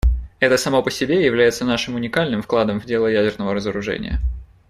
Это само по себе является нашим уникальным вкладом в дело ядерного разоружения.